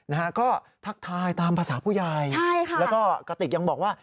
นะฮะก็ทักทายตามภาษาผู้ใหญ่ใช่ค่ะแล้วก็กระติกยังบอกว่า